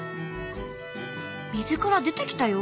水から出てきたよ。